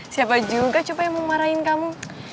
siapa juga coba yang mau marahin kamu